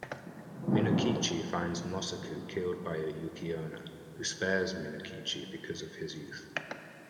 Minokichi finds Mosaku killed by a Yuki-onna, who spares Minokichi because of his youth.